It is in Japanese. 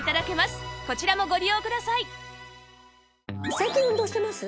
最近運動してます？